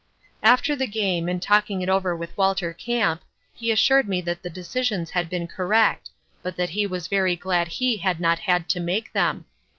"After the game, in talking it over with Walter Camp, he assured me that the decisions had been correct, but that he was very glad he had not had to make them.